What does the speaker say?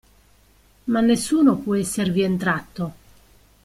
Ma nessuno può esservi entrato!